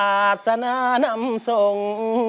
อาศนานำทรง